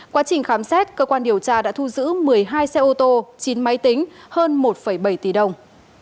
quá trình khám xét cơ quan điều tra đã thu giữ một mươi hai xe ô tô chín máy tính hơn một bảy tỷ đồng